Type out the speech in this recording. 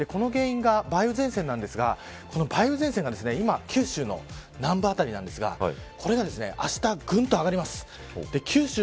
この原因が梅雨前線なんですがこの梅雨前線が今九州の南部辺りなんですがこれがあした、ぐんと上がります。